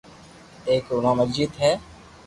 ايڪ رو نوم اجيت ھي